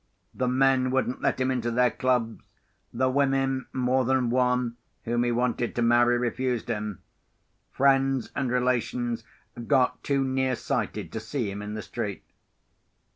The men wouldn't let him into their clubs; the women—more than one—whom he wanted to marry, refused him; friends and relations got too near sighted to see him in the street.